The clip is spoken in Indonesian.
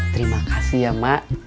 terima kasih ya mak